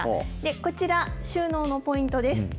こちら、収納のポイントです。